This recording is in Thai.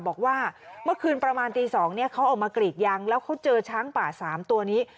บอกว่าเมื่อคืนประมาณตี๒เขาออกมากรีดยางแล้วเขาเจอช้างป่า๓ตัวนี้